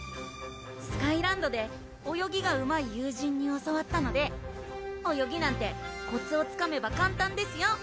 スカイランドで泳ぎがうまい友人に教わったので泳ぎなんてコツをつかめば簡単ですよ